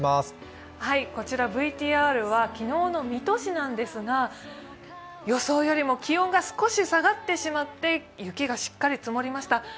こちらＶＴＲは昨日の水戸市なんですが予想よりも気温が少し下がってしまって雪がしっかり積もりました。